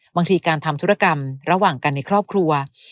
บางทีการทำธุรกรรมระหว่างกันในครอบครัว